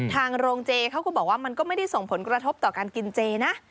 ทางโรงเจเขาก็บอกว่ามันก็ไม่ได้ส่งผลกระทบต่อการกินเจนะ